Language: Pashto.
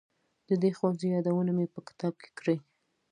د دې ښوونځي یادونه مې په کتاب کې کړې.